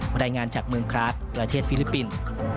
รายงานจากเมืองคลาสประเทศฟิลิปปินส์